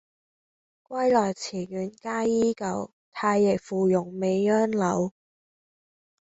歸來池苑皆依舊，太液芙蓉未央柳。